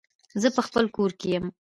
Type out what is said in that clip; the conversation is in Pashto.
زه په خپل کور کې يم